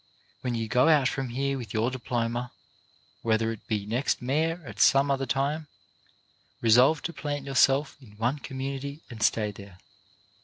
When you go out from here with your diploma, whether it be next May or at some other time, resolve to plant yourself in one community and stay there.